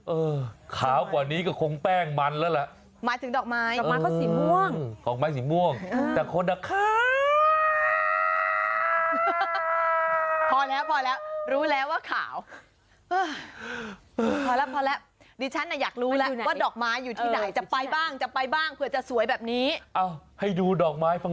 เออขาวกว่านี้ก็คงแป้งมันแล้วล่ะหมายถึงดอกไม้ดอกไม้เขาสีม่วง